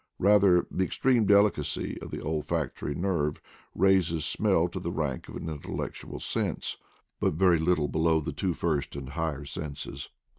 Bather the extreme delicacy of the olfactory nerve, raises smell to the rank of an intellectual sense, but very little below the two first and higher senses.